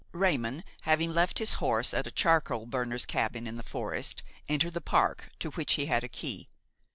Raymon, having left his horse at a charcoal burner's cabin in the forest, entered the park, to which he had a key.